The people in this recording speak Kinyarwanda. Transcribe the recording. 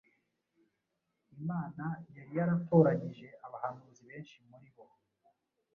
Imana yari yaratoranyije abahanuzi benshi muri bo